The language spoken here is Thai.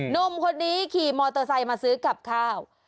หนุ่มคนนี้ขี่มอเตอร์ไซค์มาซื้อกับข้าว